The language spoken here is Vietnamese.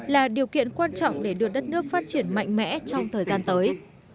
là điều kiện quan trọng để đưa đất nước phát triển mạnh mẽ trong thời gian tới